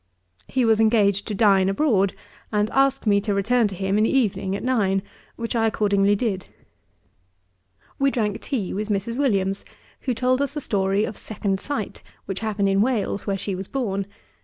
He was engaged to dine abroad, and asked me to return to him in the evening, at nine, which I accordingly did. We drank tea with Mrs. Williams, who told us a story of second sight, which happened in Wales where she was born.